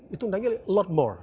itu naiknya a lot more